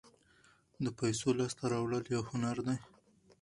د پیسو لاسته راوړل یو هنر دی.